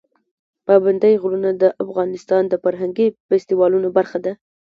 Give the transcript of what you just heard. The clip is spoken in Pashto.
پابندی غرونه د افغانستان د فرهنګي فستیوالونو برخه ده.